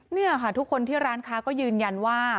นี่ค่ะทุกคนที่ร้านค้าก็ยืนยันว่า